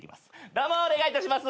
どうもお願いいたします。